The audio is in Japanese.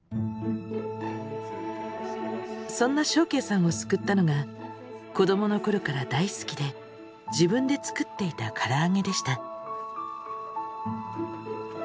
そんな祥敬さんを救ったのが子どもの頃から大好きで自分で作っていたからあげでした。